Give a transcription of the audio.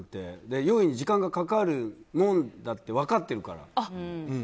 用意に時間がかかるものだって分かってるから。